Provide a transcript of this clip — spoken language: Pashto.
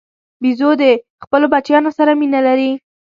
بیزو د خپلو بچیانو سره مینه لري.